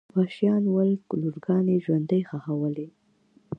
وحشیان ول لورګانې ژوندۍ ښخولې.